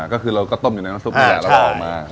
ก็คือเราก็ต้มอยู่ในน้ำซุปนี่แหละแล้วก็ออกมา